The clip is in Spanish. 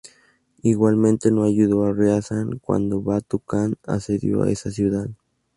Igualmente, no ayudó a Riazán cuando Batú Kan asedió esa ciudad.